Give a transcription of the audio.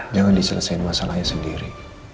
jangan diselesain masalahnya sendiri